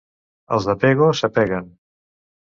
Els de Pego s'apeguen.